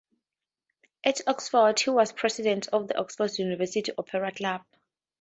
At Oxford he was president of the Oxford University Opera Club.